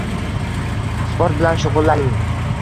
Sport bilan shug‘ullaning.